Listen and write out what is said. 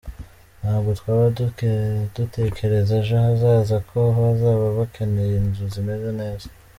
Ntabwo twaba dutekereza ejo hazaza ko bazaba bakeneye inzu zimeze neza.